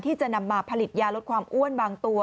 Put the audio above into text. ที่จะนำมาผลิตยาลดความอ้วนบางตัว